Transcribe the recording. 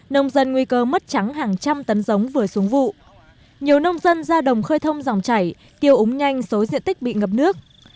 nông dân nguy cơ mất trắng hàng trăm tấn giống vừa xuống vụ nhiều nông dân ra đồng khơi thông dòng chảy tiêu úng nhanh số diện tích bị ngập nước